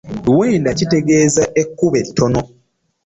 Luwenda kitegeeza ekkubo ettono .